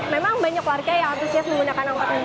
memang banyak warga yang antusias menggunakan angkot ini